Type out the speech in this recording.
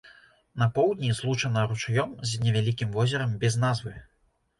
На поўдні злучана ручаём з невялікім возерам без назвы.